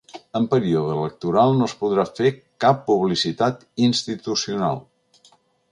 En període electoral no es podrà fer cap publicitat institucional.